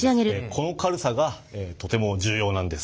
この軽さがとても重要なんです。